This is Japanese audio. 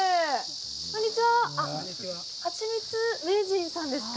こんにちは！